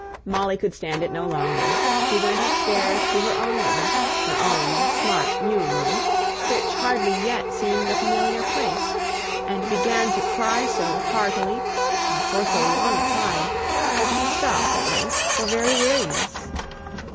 Molly could stand it no longer; she went upstairs to her own room her own smart new room, which hardly yet seemed a familiar place; and began to cry so heartily and for so long a time, that she stopped at length for very weariness.